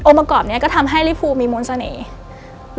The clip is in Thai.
ประกอบนี้ก็ทำให้ลิฟูมีมนต์เสน่ห์